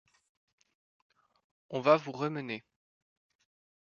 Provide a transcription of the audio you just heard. On va vous remmener.